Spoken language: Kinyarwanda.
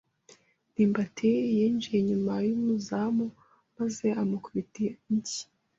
ndimbati yinjiye inyuma y’umuzamu maze amukubita inshyi.